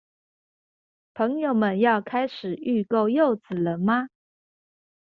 朋友們要開始預購柚子了嗎？